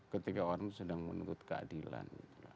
ketika orang sedang menuntut keadilan